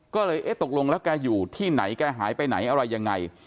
ก็เลยเอ๊ะตกลงแล้วแกอยู่ที่ไหนแกหายไปไหนอะไรยังไง